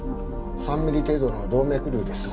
３ミリ程度の動脈瘤です。